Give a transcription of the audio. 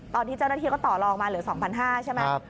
ตอนที่เจ้าหน้าที่ก็ต่อลองมาเหลือ๒๕๐๐ใช่ไหม